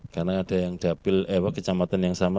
karena ada yang dapil kejamatan yang sama